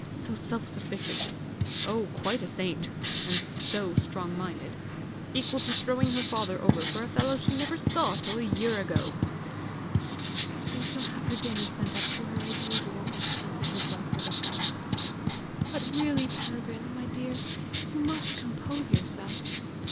so self sufficient! oh, quite a saint! and so strong minded! equal to throwing her father over for a fellow she never saw till a year ago!" "She shall have her dinner sent up to her as usual," answered his wife with a sigh. "But, really, Peregrine, my dear, you must compose yourself!